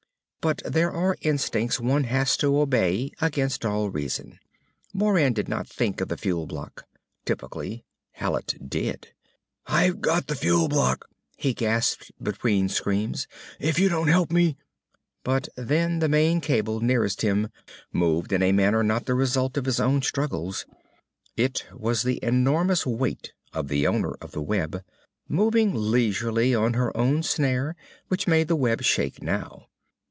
But there are instincts one has to obey against all reason. Moran did not think of the fuel block. Typically, Hallet did. "I've got the fuel block," he gasped between screams. "_If you don't help me _" But then the main cable nearest him moved in a manner not the result of his own struggles. It was the enormous weight of the owner of the web, moving leisurely on her own snare, which made the web shake now.